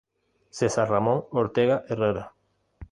Cesar Ramón Ortega Herrera.